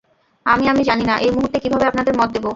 আমি-আমি জানিনা, এই মূহুর্তে কিভাবে আপনাদের মদ দেব।